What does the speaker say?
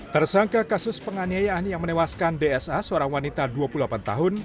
tersangka kasus penganiayaan yang menewaskan dsa seorang wanita dua puluh delapan tahun